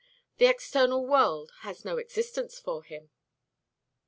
The external world has no existence for him."